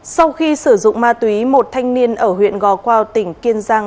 sau khi sử dụng ma túy một thanh niên ở huyện gò quao tỉnh kiên giang